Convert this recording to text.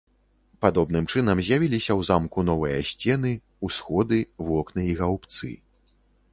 Падобным чынам з'явіліся ў замку новыя сцены, усходы, вокны і гаўбцы.